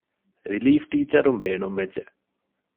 ރިލީފް ޓީޗަރުން ބޭނުންވެއްޖެ